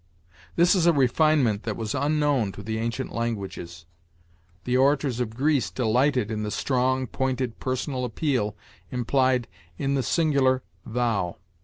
This is a refinement that was unknown to the ancient languages. The orators of Greece delighted in the strong, pointed, personal appeal implied in the singular 'thou.'